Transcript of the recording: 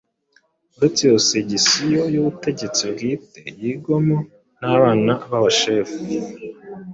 Ureste iyo segisiyo y'ubutegetsi bwite yigwagamo n'abana b'abashefu